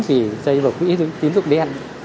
tình cảnh khôn ổn thì rơi vào quỹ tín dụng đen